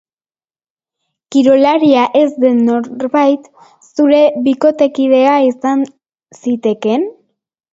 Kirolaria ez den norbait zure bikotekidea izan zitekeen?